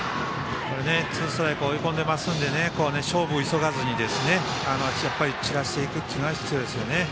ツーストライク追い込んでるので勝負を急がずに散らしていくのが必要ですね。